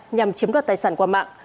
nhằm chiếm đoạt tài sản qua mạng